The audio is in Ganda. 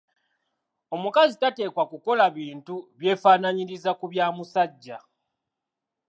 Omukazi tateekwa kukola bintu byefaananyiriza ku bya musajja.